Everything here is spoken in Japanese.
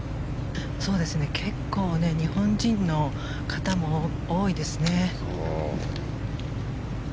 結構、日本人の方も多いですね。